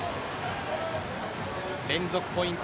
連続ポイント